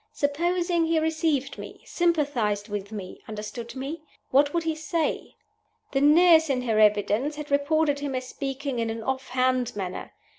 Supposing he received me, sympathized with me, understood me? What would he say? The nurse, in her evidence, had reported him as speaking in an off hand manner.